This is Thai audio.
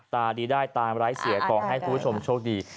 ตาดีได้ตาไร้เสียกอบให้ทุกชมโชคดี